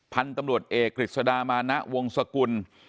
พันธุ์ตำรวจเอกกฤษดามานะวงสกุล